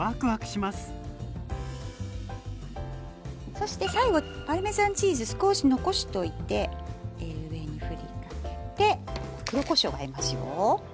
そして最後パルメザンチーズ少し残しといて上にふりかけて黒こしょうが入りますよ。